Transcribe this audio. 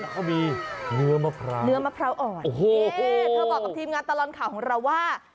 ก็มีเนื้อมะพราวอ่อนโอ้โฮโอ้โฮเขาบอกกับทีมงานตลอนข่าวของเราว่า